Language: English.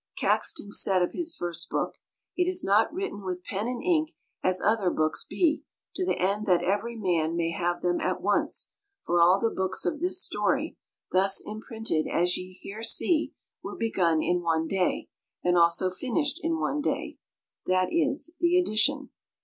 Caxton said of his first book, "It is not written with pen and ink as other books be, to the end that every man may have them at once; for all the books of this story, thus imprinted as ye here see, were begun in one day, and also finished in one day;" that is, the edition.